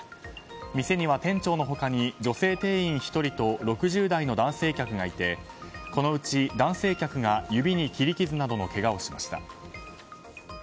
店には店長の他に女性店員１人と６０代の男性客がいてこのうち、男性客が指に切り傷などのけがをしました。